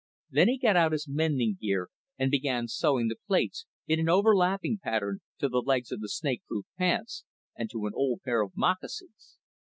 Then he got out his mending gear and began sewing the plates, in an overlapping pattern, to the legs of the snakeproof pants and to an old pair of moccasins.